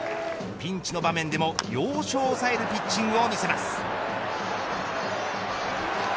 ピンチの場面でも要所を抑えるピッチングを見せます。